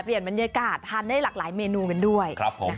เปลี่ยนบันเยกาศทานได้หลากหลายเมนูกันด้วย